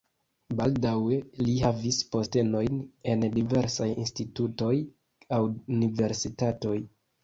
Baldaŭe li havis postenojn en diversaj institutoj aŭ universitatoj.